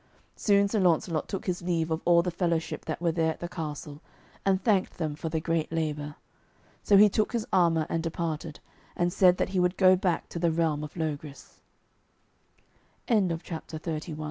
Soon Sir Launcelot took his leave of all the fellowship that were there at the castle, and thanked them for the great labour. So he took his armour and departed, and said that he would go back to the realm of Logris. Made semblant: threatened.